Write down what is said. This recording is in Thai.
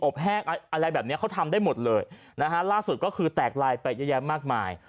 แห้งอะไรแบบนี้เขาทำได้หมดเลยนะฮะล่าสุดก็คือแตกลายไปเยอะแยะมากมาย